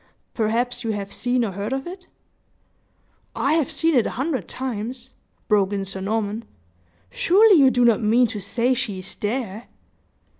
Perhaps you have seen or heard of it?" "I have seen it a hundred times," broke in Sir Norman. "Surely, you do not mean to say she is there?"